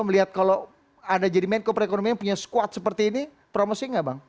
melihat kalau anda jadi menko perekonomian punya sekuat seperti ini promising gak bang